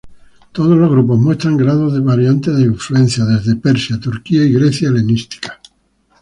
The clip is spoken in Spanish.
Todos los grupos muestran grados variantes de influencias desde Persia, Turquía y Grecia helenística.